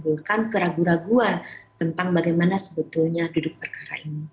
jadi kita harus membuatkan keraguan keraguan tentang bagaimana sebetulnya duduk perkara ini